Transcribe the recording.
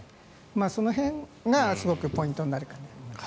その辺がすごくポイントになるかなと思います。